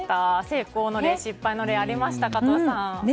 成功の例、失敗の例がありました加藤さん。